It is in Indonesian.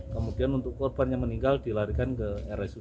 kemudian untuk korban yang meninggal dilarikan ke rsud